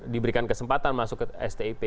diberikan kesempatan masuk ke stip